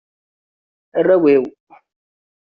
Arraw-iw.